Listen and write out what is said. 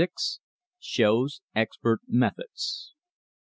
SHOWS EXPERT METHODS.